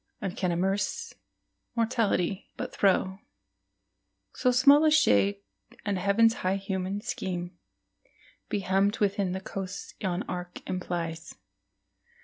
And can immense Mortality but throw So small a shade, and Heaven's high human scheme Be hemmed within the coasts yon arc implies?